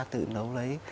tự nấu lấy